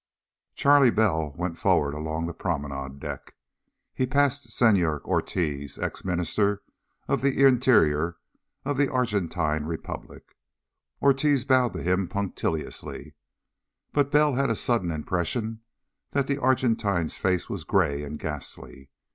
Charley Bell went forward along the promenade deck. He passed Senor Ortiz, ex Minister of the Interior of the Argentine Republic. Ortiz bowed to him punctiliously, but Bell had a sudden impression that the Argentine's face was gray and ghastly.